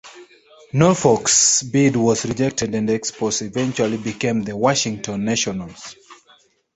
Norfolk's bid was rejected and the Expos eventually became the Washington Nationals.